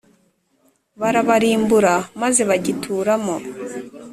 barabarimbura maze bagituramo